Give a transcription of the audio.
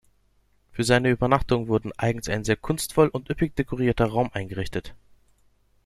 Für seine Übernachtung wurde eigens ein sehr kunstvoll und üppig dekorierter Raum eingerichtet.